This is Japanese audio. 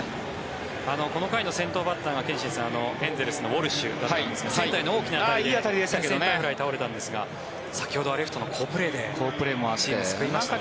この回の先頭バッターが憲伸さん、エンゼルスのウォルシュだったんですがいい当たりでセンターフライに倒れたんですが先ほどはレフトの好プレーでチームを救いましたね。